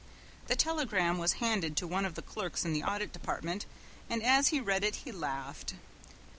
The telegram was handed to one of the clerks in the Audit Department, and as he read it he laughed.